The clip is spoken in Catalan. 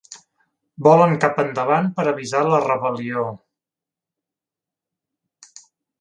Volen cap endavant per avisar a La Rebel·lió.